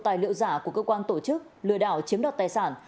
các giấy tờ giả của cơ quan tổ chức lừa đảo chiếm đọt tài sản